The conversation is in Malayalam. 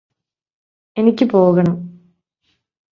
എനിക്ക് പോകണം